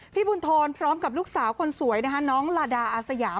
พี่บุญธรพร้อมกับลูกสาวคนสวยนะคะน้องลาดาอาสยาม